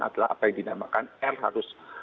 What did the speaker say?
adalah apa yang dinamakan r harus